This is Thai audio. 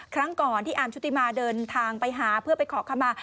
ครั้งก่อนที่อาร์มชุติมาเดินทางไปหาเพื่อไปขอคำมา